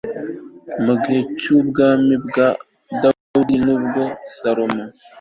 mu gihe cy'ubwami bwa dawidi n'ubwa salomo